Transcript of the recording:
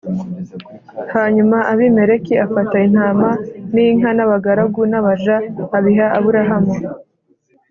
Hanyuma abimeleki afata intama n inka n abagaragu n abaja abiha aburahamu